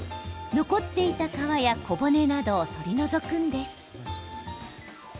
残っていた皮や小骨などを取り除くんです。